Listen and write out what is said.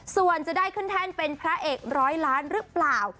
ส่วนจะได้ขึ้นแท่นเป็นพระเอกร้อยล้านหรือเปล่า